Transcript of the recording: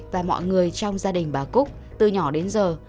và mọi người trong gia đình bà cúc từ nhỏ đến giờ